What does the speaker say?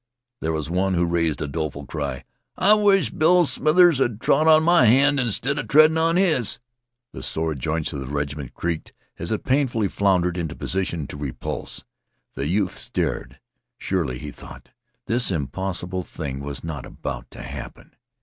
There was one who raised a doleful cry. "I wish Bill Smithers had trod on my hand, insteader me treddin' on his'n." The sore joints of the regiment creaked as it painfully floundered into position to repulse. The youth stared. Surely, he thought, this impossible thing was not about to happen.